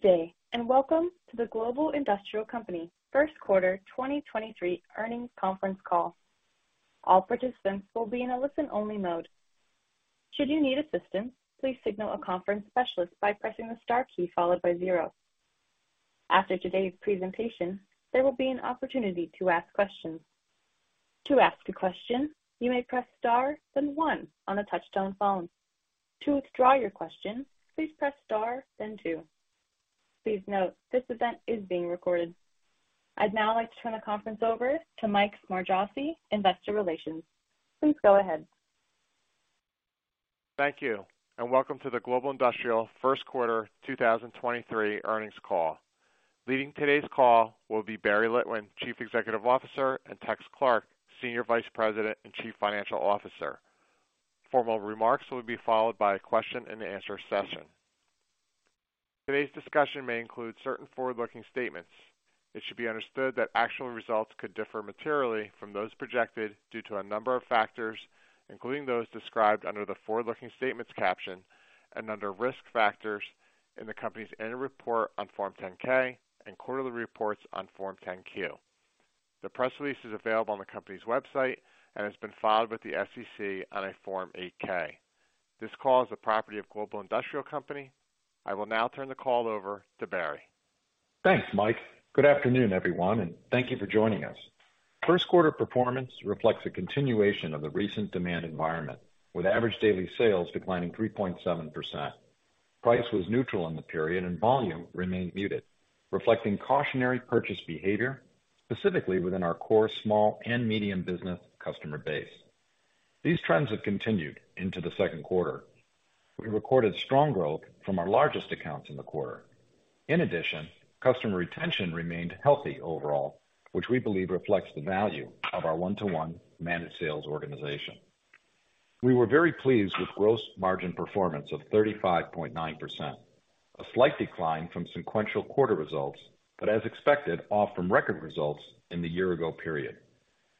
Good day, and welcome to the Global Industrial Company First Quarter 2023 Earnings Conference Call. All participants will be in a listen-only mode. Should you need assistance, please signal a conference specialist by pressing the Star key followed by zero. After today's presentation, there will be an opportunity to ask questions. To ask a question, you may press Star then one on a touch-tone phone. To withdraw your question, please press Star then two. Please note, this event is being recorded. I'd now like to turn the conference over to Mike Smargiassi, Investor Relations. Please go ahead. Thank you. Welcome to the Global Industrial First Quarter 2023 Earnings Call. Leading today's call will be Barry Litwin, Chief Executive Officer, and Tex Clark, Senior Vice President and Chief Financial Officer. Formal remarks will be followed by a question and answer session. Today's discussion may include certain Forward-Looking Statements. It should be understood that actual results could differ materially from those projected due to a number of factors, including those described under the Forward-Looking Statements caption and under Risk Factors in the company's annual report on Form 10-K and quarterly reports on Form 10-Q. The press release is available on the company's website and has been filed with the SEC on a Form 8-K. This call is a property of Global Industrial Company. I will now turn the call over to Barry. Thanks, Mike Smargiassi. Good afternoon, everyone, and thank you for joining us. First quarter performance reflects a continuation of the recent demand environment, with average daily sales declining 3.7%. Price was neutral in the period, and volume remained muted, reflecting cautionary purchase behavior, specifically within our core SMB customer base. These trends have continued into the second quarter. We recorded strong growth from our largest accounts in the quarter. In addition, customer retention remained healthy overall, which we believe reflects the value of our one-to-one managed sales organization. We were very pleased with gross margin performance of 35.9%, a slight decline from sequential quarter results, but as expected off from record results in the year-ago period.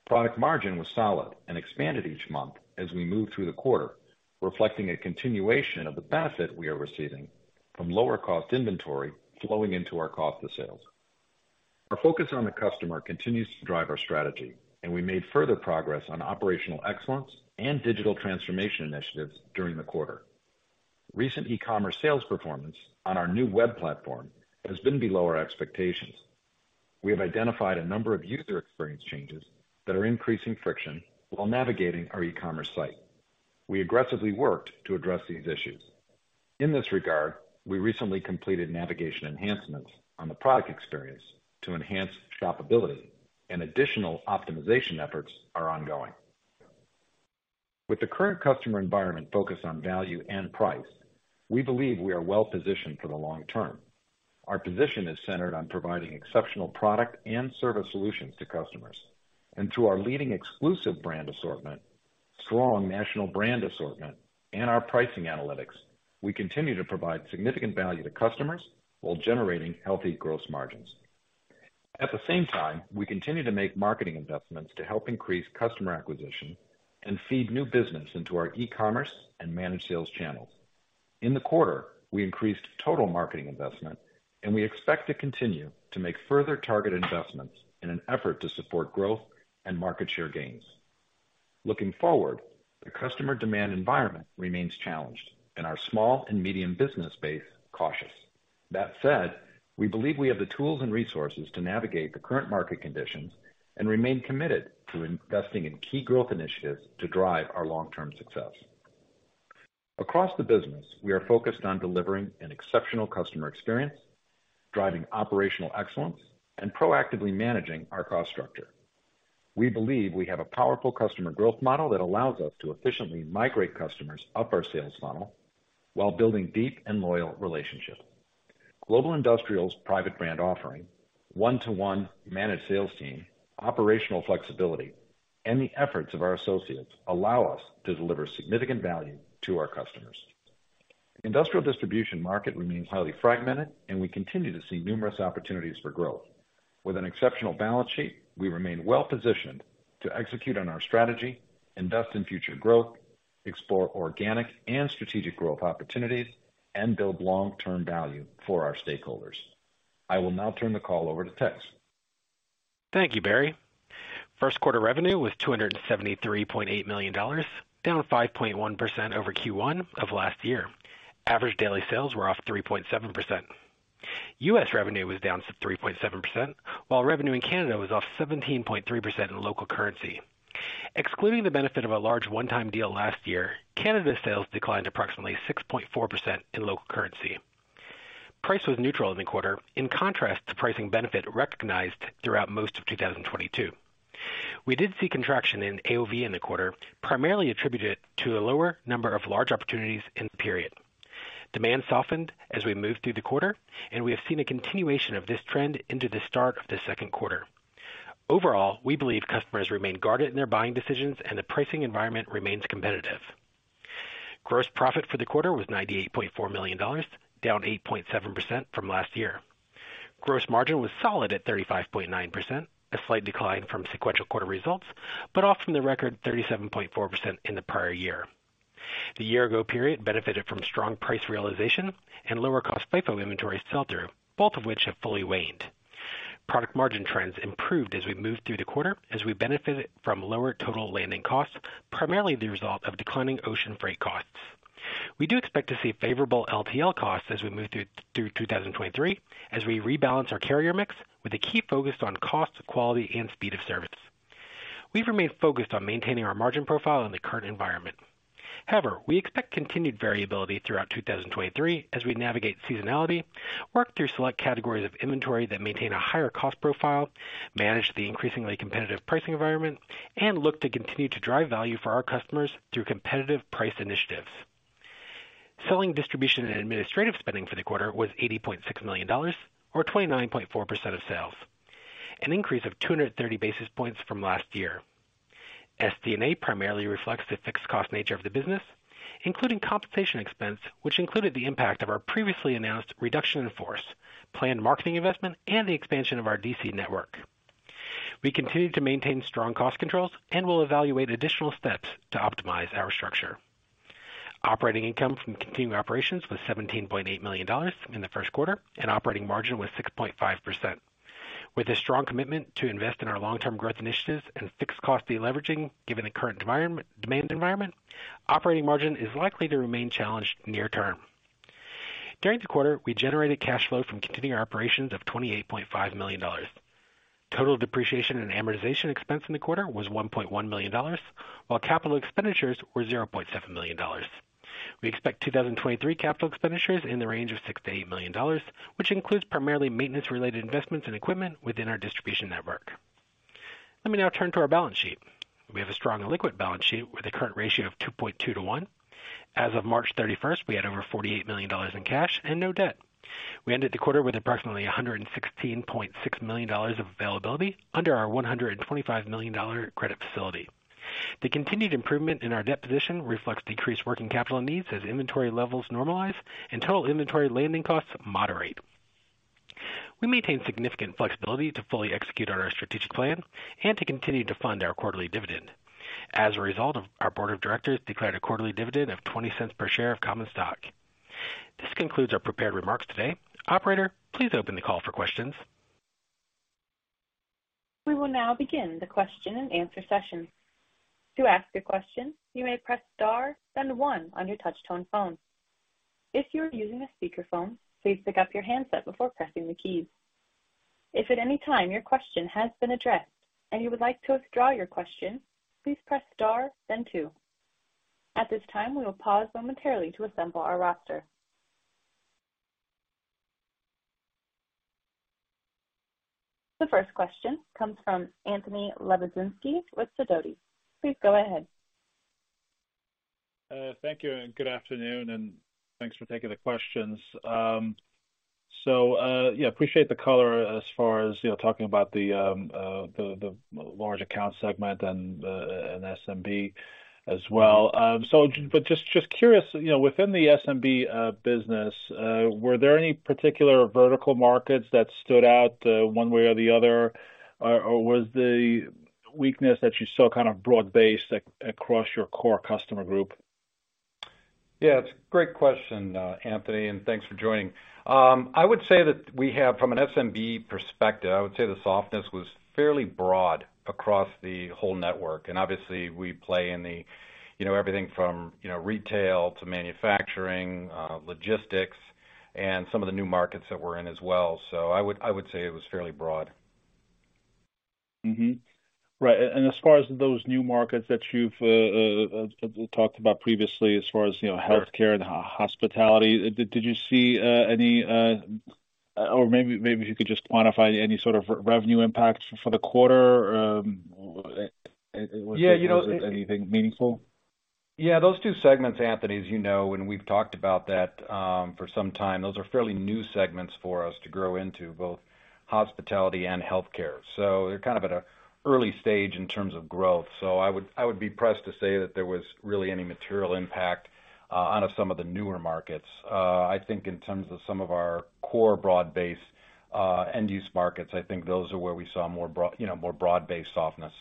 Product margin was solid and expanded each month as we moved through the quarter, reflecting a continuation of the benefit we are receiving from lower cost inventory flowing into our cost of sales. Our focus on the customer continues to drive our strategy, and we made further progress on operational excellence and digital transformation initiatives during the quarter. Recent e-commerce sales performance on our new web platform has been below our expectations. We have identified a number of user experience changes that are increasing friction while navigating our e-commerce site. We aggressively worked to address these issues. In this regard, we recently completed navigation enhancements on the product experience to enhance shopability, and additional optimization efforts are ongoing. With the current customer environment focused on value and price, we believe we are well-positioned for the long term. Our position is centered on providing exceptional product and service solutions to customers. Through our leading exclusive brand assortment, strong national brand assortment, and our pricing analytics, we continue to provide significant value to customers while generating healthy gross margins. At the same time, we continue to make marketing investments to help increase customer acquisition and feed new business into our e-commerce and managed sales channels. In the quarter, we increased total marketing investment, and we expect to continue to make further target investments in an effort to support growth and market share gains. Looking forward, the customer demand environment remains challenged and our small and medium business base cautious. That said, we believe we have the tools and resources to navigate the current market conditions and remain committed to investing in key growth initiatives to drive our long-term success. Across the business, we are focused on delivering an exceptional customer experience, driving operational excellence, and proactively managing our cost structure. We believe we have a powerful customer growth model that allows us to efficiently migrate customers up our sales funnel while building deep and loyal relationships. Global Industrial's private brand offering, one-to-one managed sales team, operational flexibility, and the efforts of our associates allow us to deliver significant value to our customers. Industrial distribution market remains highly fragmented, and we continue to see numerous opportunities for growth. With an exceptional balance sheet, we remain well-positioned to execute on our strategy, invest in future growth, explore organic and strategic growth opportunities, and build long-term value for our stakeholders. I will now turn the call over to Tex. Thank you, Barry. First quarter revenue was $273.8 million, down 5.1% over Q1 of last year. Average daily sales were off 3.7%. U.S. revenue was down to 3.7%, while revenue in Canada was off 17.3% in local currency. Excluding the benefit of a large one-time deal last year, Canada sales declined approximately 6.4% in local currency. Price was neutral in the quarter, in contrast to pricing benefit recognized throughout most of 2022. We did see contraction in AOV in the quarter, primarily attributed to a lower number of large opportunities in the period. Demand softened as we moved through the quarter, and we have seen a continuation of this trend into the start of the second quarter. Overall, we believe customers remain guarded in their buying decisions and the pricing environment remains competitive. Gross profit for the quarter was $98.4 million, down 8.7% from last year. Gross margin was solid at 35.9%, a slight decline from sequential quarter results, but off from the record 37.4% in the prior year. The year ago period benefited from strong price realization and lower cost FIFO inventory sell-through, both of which have fully waned. Product margin trends improved as we moved through the quarter, as we benefited from lower total landing costs, primarily the result of declining ocean freight costs. We do expect to see favorable LTL costs as we move through 2023 as we rebalance our carrier mix with a key focus on cost, quality, and speed of service. We've remained focused on maintaining our margin profile in the current environment. However, we expect continued variability throughout 2023 as we navigate seasonality, work through select categories of inventory that maintain a higher cost profile, manage the increasingly competitive pricing environment, and look to continue to drive value for our customers through competitive price initiatives. Selling, distribution, and administrative spending for the quarter was $80.6 million, or 29.4% of sales, an increase of 230 basis points from last year. SD&A primarily reflects the fixed cost nature of the business, including compensation expense, which included the impact of our previously announced reduction in force, planned marketing investment, and the expansion of our DC network. We continue to maintain strong cost controls and will evaluate additional steps to optimize our structure. Operating income from continued operations was $17.8 million in the first quarter, and operating margin was 6.5%. With a strong commitment to invest in our long-term growth initiatives and fixed cost deleveraging, given the current environment, demand environment, operating margin is likely to remain challenged near term. During the quarter, we generated cash flow from continuing our operations of $28.5 million. Total depreciation and amortization expense in the quarter was $1.1 million, while capital expenditures were $0.7 million. We expect 2023 capital expenditures in the range of $6 million-$8 million, which includes primarily maintenance-related investments in equipment within our distribution network. Let me now turn to our balance sheet. We have a strong and liquid balance sheet with a current ratio of 2.2-1. As of March 31st, we had over $48 million in cash and no debt. We ended the quarter with approximately $116.6 million of availability under our $125 million credit facility. The continued improvement in our debt position reflects decreased working capital needs as inventory levels normalize and total inventory landing costs moderate. We maintain significant flexibility to fully execute on our strategic plan and to continue to fund our quarterly dividend. As a result of our board of directors declared a quarterly dividend of $0.20 per share of common stock. This concludes our prepared remarks today. Operator, please open the call for questions. We will now begin the question and answer session. To ask a question, you may press star then one on your touch tone phone. If you are using a speakerphone, please pick up your handset before pressing the keys. If at any time your question has been addressed and you would like to withdraw your question, please press star then two. At this time, we will pause momentarily to assemble our roster. The first question comes from Anthony Lebiedzinski with Sidoti. Please go ahead. Thank you and good afternoon, and thanks for taking the questions. Yeah, appreciate the color as far as, you know, talking about the large account segment and SMB as well. Just, just curious, you know, within the SMB business, were there any particular vertical markets that stood out one way or the other? Was the weakness that you saw kind of broad-based across your core customer group? Yeah, it's a great question, Anthony, and thanks for joining. I would say that we have from an SMB perspective, I would say the softness was fairly broad across the whole network. Obviously we play in the, you know, everything from, you know, retail to manufacturing, logistics and some of the new markets that we're in as well. I would say it was fairly broad. Right. As far as those new markets that you've talked about previously, as far as, you know, healthcare and hospitality, did you see any? Or maybe you could just quantify any sort of revenue impact for the quarter? Was there anything meaningful? Those two segments, Anthony, as you know, and we've talked about that for some time. Those are fairly new segments for us to grow into both hospitality and healthcare. They're kind of at a early stage in terms of growth. I would be pressed to say that there was really any material impact out of some of the newer markets. I think in terms of some of our core broad-based end use markets, I think those are where we saw more broad, you know, more broad-based softness,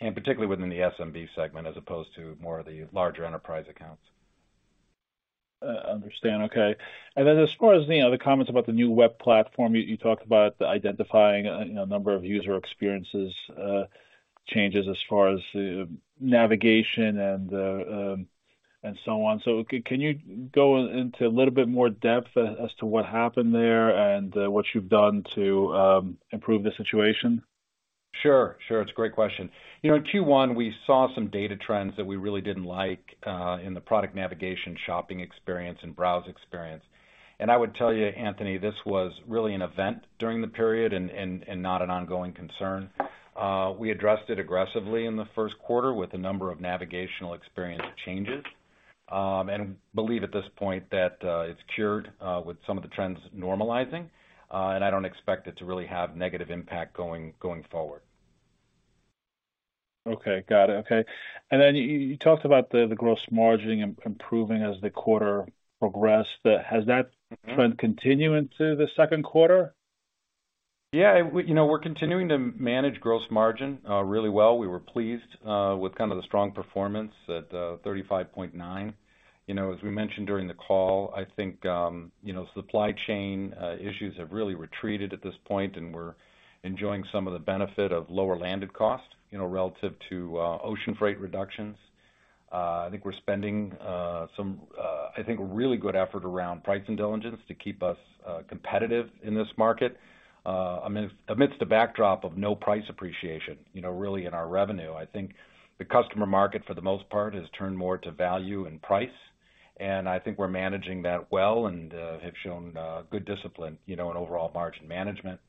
and particularly within the SMB segment, as opposed to more of the larger enterprise accounts. Understand. Okay. As far as the comments about the new web platform, you talked about identifying a number of user experiences, changes as far as the navigation and the, and so on. Can you go into a little bit more depth as to what happened there and what you've done to improve the situation? Sure. Sure. It's a great question. You know, in Q1 we saw some data trends that we really didn't like in the product navigation, shopping experience and browse experience. I would tell you, Anthony, this was really an event during the period and not an ongoing concern. We addressed it aggressively in the first quarter with a number of navigational experience changes, and believe at this point that it's cured with some of the trends normalizing, and I don't expect it to really have negative impact going forward. Okay. Got it. Okay. Then you talked about the gross margin improving as the quarter progressed. Has that trend continued into the second quarter? Yeah. You know, we're continuing to manage gross margin really well. We were pleased with kind of the strong performance at 35.9%. You know, as we mentioned during the call, I think, you know, supply chain issues have really retreated at this point, and we're enjoying some of the benefit of lower landed costs, you know, relative to ocean freight reductions. I think we're spending some, I think really good effort around price intelligence to keep us competitive in this market. Amidst the backdrop of no price appreciation, you know, really in our revenue. I think the customer market for the most part, has turned more to value and price, and I think we're managing that well and have shown good discipline, you know, in overall margin management.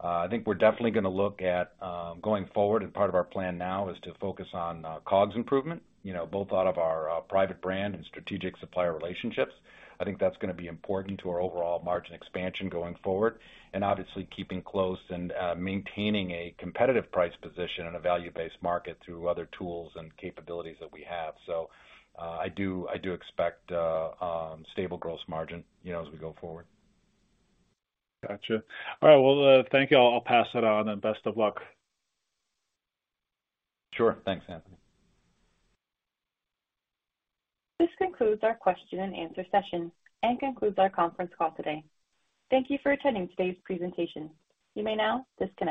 I think we're definitely gonna look at, going forward and part of our plan now is to focus on, COGS improvement. You know, both out of our, private brand and strategic supplier relationships. I think that's gonna be important to our overall margin expansion going forward. Obviously keeping close and, maintaining a competitive price position in a value-based market through other tools and capabilities that we have. I do expect, stable gross margin, you know, as we go forward. Gotcha. All right. Well, thank you. I'll pass it on, and best of luck. Sure. Thanks, Anthony. This concludes our question and answer session and concludes our conference call today. Thank you for attending today's presentation. You may now disconnect.